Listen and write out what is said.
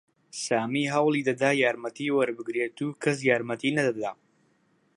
سامی هەوڵی دەدا یارمەتی وەربگرێت و کەس یارمەتیی نەدەدا.